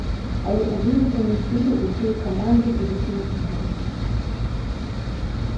Але ў выніку мы селі ўсёй камандай і выпілі піва.